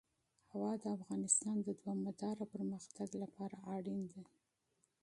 هوا د افغانستان د دوامداره پرمختګ لپاره اړین دي.